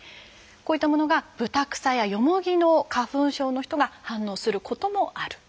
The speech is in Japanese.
こういったものがブタクサやヨモギの花粉症の人が反応することもあるんだそうです。